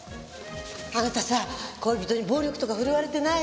あなたさ恋人に暴力とか振るわれてない？